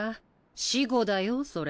死語だよそれ。